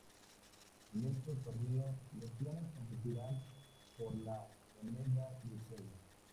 En estos torneos, los clanes competirían por la moneda del juego.